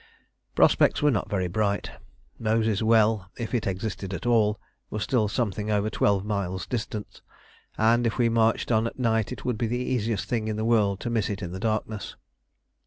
Prospects were not very bright: Moses' Well, if it existed at all, was still something over twelve miles distant, and if we marched on at night it would be the easiest thing in the world to miss it in the darkness.